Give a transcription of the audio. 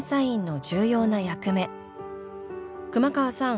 熊川さん